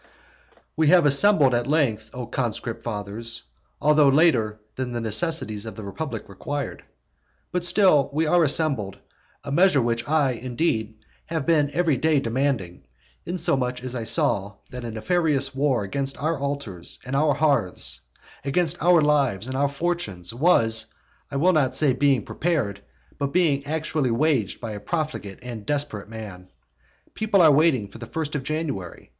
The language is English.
I. We have been assembled at length, O conscript fathers, altogether later than the necessities of the republic required; but still we are assembled, a measure which I, indeed, have been every day demanding, inasmuch as I saw that a nefarious war against our altars and our hearths, against our lives and our fortunes was, I will not say being prepared, but being actually waged by a profligate and desperate man. People are waiting for the first of January.